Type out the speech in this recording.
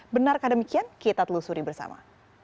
benarkah demikian kita telusuri bersama